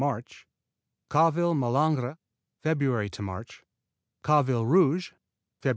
March Calville Malingre Feb. to Mch. Calville Rouge Feb.